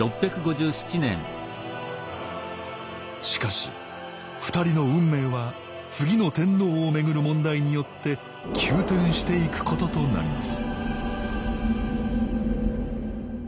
しかし２人の運命は次の天皇を巡る問題によって急転していくこととなります